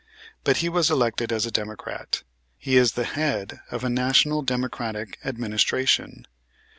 But he was elected as a Democrat. He is the head of a National Democratic Administration.